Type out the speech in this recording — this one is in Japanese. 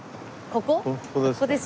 ここ。